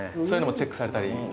そういうのもチェックされたり？